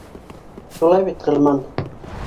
Шулай бит, Ғилман?